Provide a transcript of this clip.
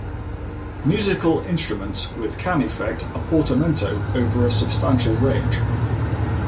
Musical instruments with can effect a portamento over a substantial range.